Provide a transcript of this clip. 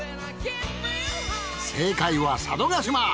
正解は佐渡島。